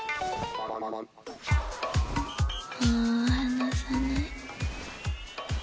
もう放さない。